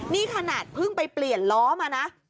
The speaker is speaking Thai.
นี่ขนาดเพิ่งไปเปลี่ยนล้อมานะ